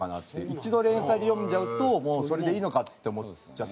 一度連載で読んじゃうともうそれでいいかって思っちゃって。